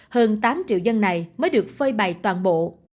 hơn tám triệu dân này mới được phơi bày toàn bộ